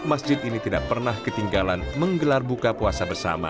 masjid ini tidak pernah ketinggalan menggelar buka puasa bersama